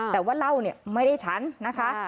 แต่ว่าเหล้าไม่ได้ฉันนะคะ